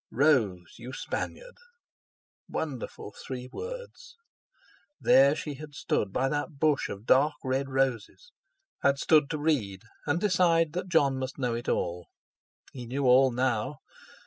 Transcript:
"Rose, you Spaniard!" Wonderful three words! There she had stood by that bush of dark red roses; had stood to read and decide that Jon must know it all! He knew all now!